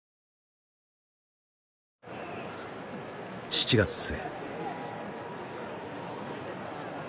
７月末。